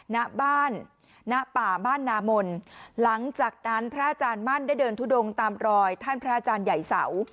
ณบ้านณป่าบ้านนามนหลังจากนั้นพระอาจารย์มั่นได้เดินทุดงตามรอยท่านพระอาจารย์ใหญ่เสา